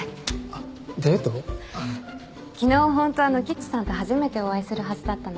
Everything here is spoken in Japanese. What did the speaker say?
昨日ホントはノキッチさんと初めてお会いするはずだったの。